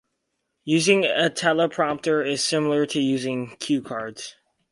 Using a teleprompter is similar to using cue cards.